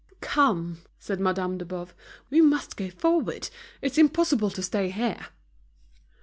"Come," said Madame de Boves, "we must go forward. It's impossible to stay here."